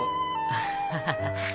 アハハハ。